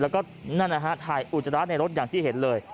แล้วก็นั่นนะฮะถ่ายอุจจาระในรถอย่างที่เห็นเลย